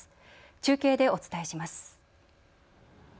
中継でお伝えします。